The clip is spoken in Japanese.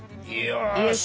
よし。